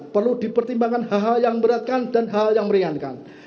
perlu dipertimbangkan hal hal yang memberatkan dan hal yang meringankan